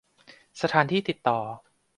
สถานที่ติดต่อ